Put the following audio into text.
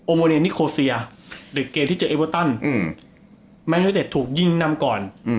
โมเนนิโคเซียหรือเกมที่เจอเอเวอร์ตันแมนยูเต็ดถูกยิงนำก่อน